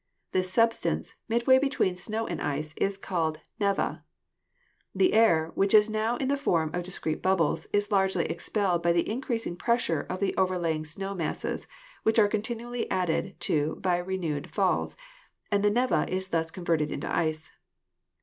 This substance, mid way between snow and ice, is called neve. The air, which is now in the form of discrete bubbles, is largely expelled by the increasing pressure of the overlying snow masses, which are continually added to by renewed falls, and the neve is thus converted into ice.